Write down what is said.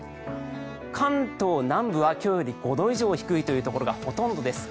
関東南部は今日より５度以上低いというところがほとんどです。